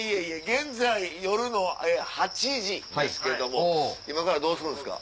現在夜の８時ですけれども今からどうするんですか？